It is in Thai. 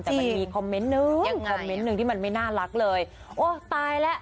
แต่มันมีคอมเมนต์นึงยังคอมเมนต์หนึ่งที่มันไม่น่ารักเลยโอ้ตายแล้ว